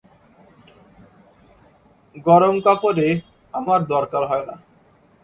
গরম কাপড়ে আমার দরকার হয় না।